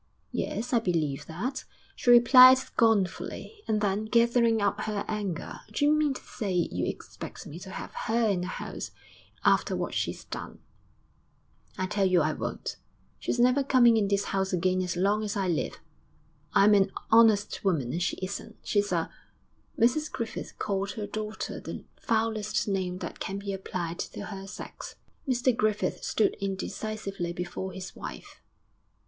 'Yes, I believe that,' she replied scornfully; and then, gathering up her anger, 'D'you mean to say you expect me to have her in the house after what she's done? I tell you I won't. She's never coming in this house again as long as I live; I'm an honest woman and she isn't. She's a ' Mrs Griffith called her daughter the foulest name that can be applied to her sex. Mr Griffith stood indecisively before his wife.